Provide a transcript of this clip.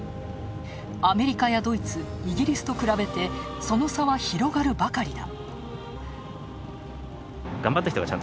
アメリカやドイツ、イギリスと比べて、その差は広がるばかりだ。